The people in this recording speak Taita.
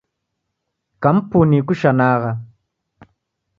Kampuni ikushanagha.